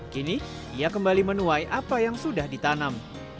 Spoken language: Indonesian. kini ia kembali menuai apa yang sudah ditanam